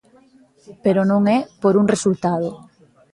Pero non é por un resultado.